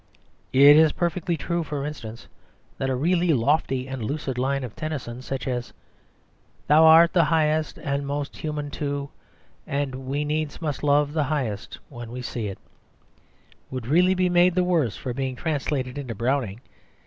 It is perfectly true, for instance, that a really lofty and lucid line of Tennyson, such as "Thou art the highest, and most human too" and "We needs must love the highest when we see it" would really be made the worse for being translated into Browning.